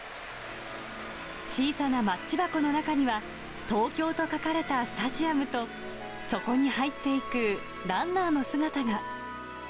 小さなマッチ箱の中には、ＴＯＫＹＯと書かれたスタジアムと、そこに入っていくランナーの姿が。